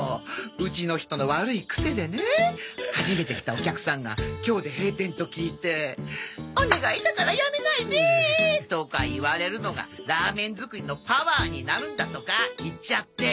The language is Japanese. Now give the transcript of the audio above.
うちの人の悪いクセでね初めて来たお客さんが今日で閉店と聞いて「お願いだからやめないで」とか言われるのがラーメン作りのパワーになるんだとか言っちゃって。